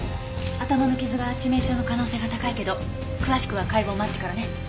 頭の傷が致命傷の可能性が高いけど詳しくは解剖を待ってからね。